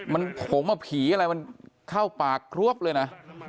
มันผงว่าผีอะไรมันเข้าปากครวบเลยนะ